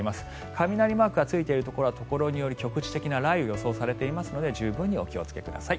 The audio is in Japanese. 雷マークがついているところはところにより局地的な雷雨が予想されているので十分お気をつけください。